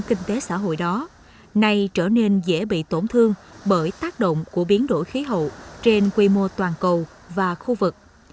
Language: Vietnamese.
kinh tế xã hội đó nay trở nên dễ bị tổn thương bởi tác động của biến đổi khí hậu trên quy mô toàn cầu và khu vực